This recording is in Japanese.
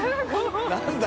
何だ？